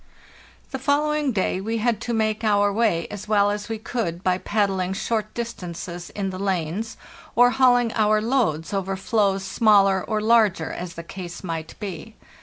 The following day we had to make our way as well as we could by paddling short distances in the lanes or hauling our loads over floes smaller or larger, as the case might be.